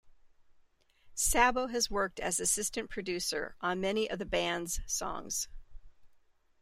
Sabo has worked as assistant producer on many of the band's songs.